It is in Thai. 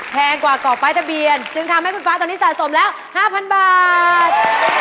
แพงกว่าเกาะป้ายทะเบียนจึงทำให้คุณฟ้าตอนนี้สะสมแล้ว๕๐๐บาท